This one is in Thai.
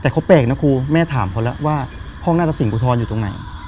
แต่เขาแปลกนะครูแม่ถามเขาแล้วว่าพร้อมน่าจะโสศิงพุทธรรมอยู่ตรงไหน